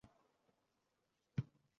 ko'ksidan ko'tarilib kelayotgan